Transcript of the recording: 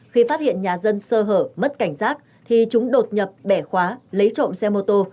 khi phát hiện nhà dân sơ hở mất cảnh giác thì chúng đột nhập bẻ khóa lấy trộm xe mô tô